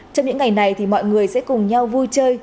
trong những ngày này thì mọi người sẽ cùng nhau vui chơi